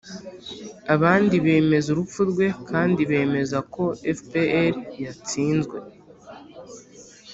abandi bemeza urupfu rwe kandi bemeza ko fpr yatsinzwe.